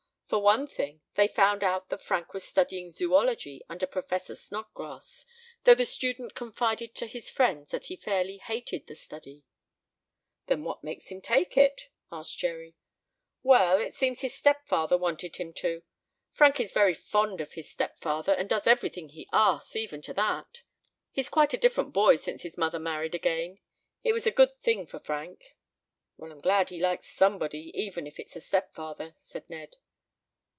For one thing, they found out that Frank was studying zoology under Professor Snodgrass, though the student confided to his friends that he fairly hated the study. "Then what makes him take it?" asked Jerry. "Well, it seems his stepfather wanted him to. Frank is very fond of his stepfather, and does everything he asks, even to that. He's quite a different boy since his mother married again. It was a good thing for Frank." "Well, I'm glad he likes somebody, even if it's a stepfather," said Ned.